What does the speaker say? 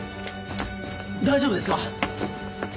大丈夫ですか？